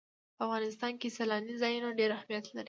په افغانستان کې سیلانی ځایونه ډېر اهمیت لري.